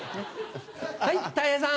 はいたい平さん。